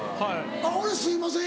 あっ俺「すいません」